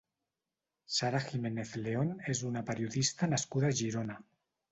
Sara Giménez León és una periodista nascuda a Girona.